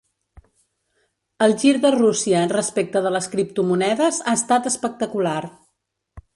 El gir de Rússia respecte de les criptomonedes ha estat espectacular.